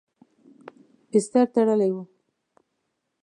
بستر تړلی و.